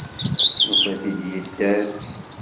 Nufa-t-id yedder.